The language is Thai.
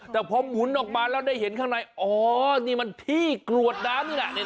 แต่พอหมุนออกมาแล้วได้เห็นข้างในอ๋อนี่มันที่กรวดน้ำนี่แหละ